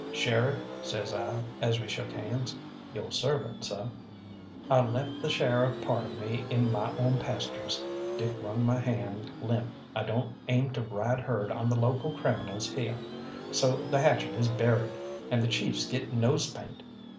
"Sheriff," says I, as we shook hands, "yo' servant, seh." "I left the sheriff part of me in my own pastures." Dick wrung my hand limp. "I don't aim to ride herd on the local criminals heah, so the hatchet is buried, and the chiefs get nose paint.